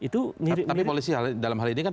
itu tapi polisi dalam hal ini kan